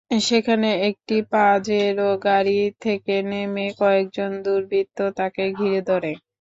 সেখানে একটি পাজেরো গাড়ি থেকে নেমে কয়েকজন দুর্বৃত্ত তাঁকে ঘিরে ধরে।